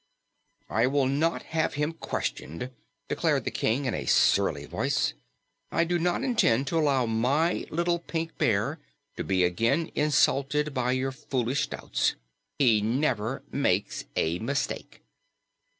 "I will not have him questioned," declared the King in a surly voice. "I do not intend to allow my little Pink Bear to be again insulted by your foolish doubts. He never makes a mistake."